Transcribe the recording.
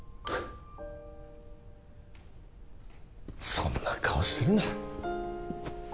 そんな顔するな